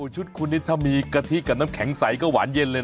ชุดคุณนี่ถ้ามีกะทิกับน้ำแข็งใสก็หวานเย็นเลยนะ